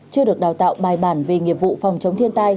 chưa được đào tạo bài bản về nghiệp vụ phòng chống thiên tai